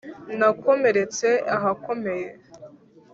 Nakomeretse ahakomeye